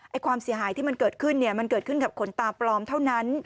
ความเสียหายที่มันเกิดขึ้นเนี่ยมันเกิดขึ้นกับขนตาปลอมเท่านั้น